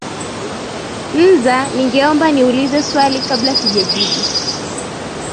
nza ningeomba ni ulize swali kabla sijajibu